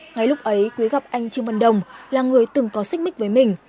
ngay lúc ấy quý gặp anh trương văn đồng là người từng có xích mích với mình